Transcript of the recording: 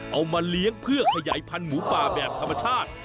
เอามาเลี้ยงเพื่อขยายพันธุ์หมูป่าแบบธรรมชาติ